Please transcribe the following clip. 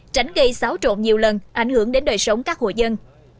tránh gây xáo trộn nhiều lần ảnh hưởng đến đời sống các hộ dân